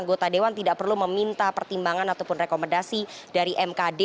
anggota dewan tidak perlu meminta pertimbangan ataupun rekomendasi dari mkd